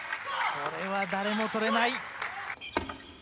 これは誰も取れない。